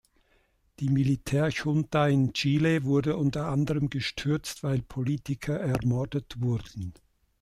Die Militärjunta in Chile wurde unter anderem gestürzt, weil Politiker ermordet wurden.